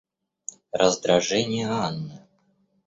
Раздражение Анны.